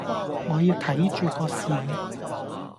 我要睇著個市